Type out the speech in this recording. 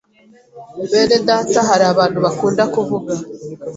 bene data hari abantu bakunda kuvuga